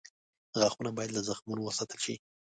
غاښونه باید له زخمونو وساتل شي.